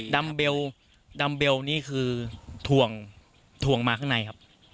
ดำเบลดำเบลนี่คือถ่วงถ่วงมาข้างในครับ